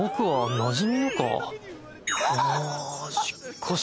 ましっかし